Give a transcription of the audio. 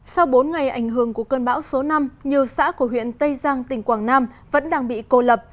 sau bốn ngày ảnh hưởng của cơn bão số năm nhiều xã của huyện tây giang tỉnh quảng nam vẫn đang bị cô lập